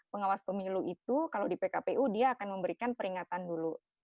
pengawas pemilu itu kalau di pkpu dia akan memberikan peringatan dulu